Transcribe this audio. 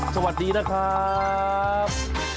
สวัสดีนะครับ